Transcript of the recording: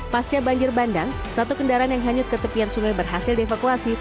pasca banjir bandang satu kendaraan yang hanyut ke tepian sungai berhasil dievakuasi